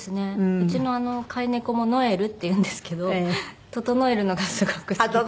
うちの飼い猫も「のえる」っていうんですけど整えるのがすごく好きで。